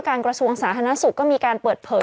กระทรวงสาธารณสุขก็มีการเปิดเผย